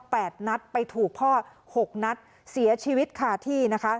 แปดนัดไปถูกพ่อหกนัดเสียชีวิตคาที่นะคะ